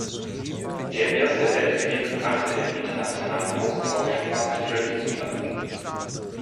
Der Erste Weltkrieg brachte den internationalen Austausch fast völlig zum Erliegen.